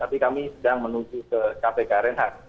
tapi kami sedang menuju ke kpk reinhardt